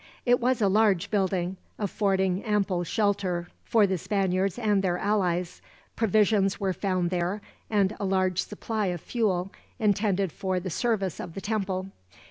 It was a large building, affording ample shelter for the Spaniards and their allies. Provisions were found there, and a large supply of fuel intended for the service of the temple.